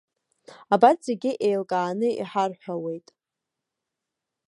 Абарҭ зегьы еилкааны иҳарҳәауеит.